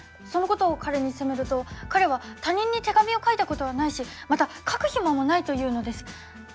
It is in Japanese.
そのことを彼に責めると彼は他人に手紙を書いたことはないしまた書く暇もないと言うのです。